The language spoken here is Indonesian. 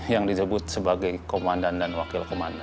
yang disebut sebagai komandan dan wakil komandan